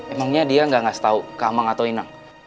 emangnya dia gak ngas tau ke amang atau inang